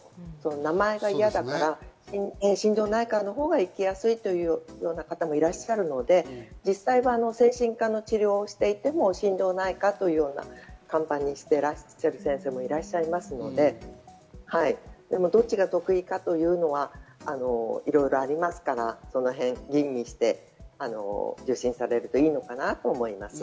名前が嫌だから心療内科のほうが行きやすいというような方もいらっしゃるので、実際は精神科の治療をしていても、心療内科というような看板にして出してらっしゃる先生もいますので、どっちが得意かというのはいろいろありますから、そのへん吟味して受診されるといいのかなと思います。